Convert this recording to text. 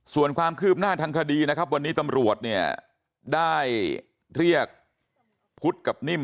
ส่วนความคืบหน้าทางคดีนะครับวันนี้ตำรวจเนี่ยได้เรียกพุทธกับนิ่ม